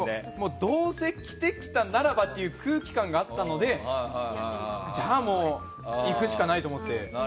どうせ着てきたならばっていう空気感があったのでじゃあもう行くしかないと思って。